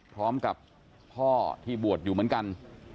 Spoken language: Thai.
พร้อมกับพ่อที่บวชอยู่เหมือนกัน